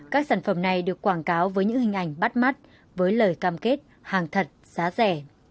các sản phẩm này được quảng cáo với những hình ảnh bắt mắt với lời cam kết hàng thật giá rẻ